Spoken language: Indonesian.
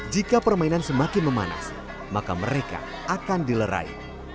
jika permainan semakin memanas maka mereka akan dilerai